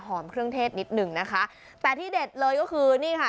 เครื่องเทศนิดหนึ่งนะคะแต่ที่เด็ดเลยก็คือนี่ค่ะ